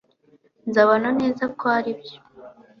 nzabona neza kuri ibyo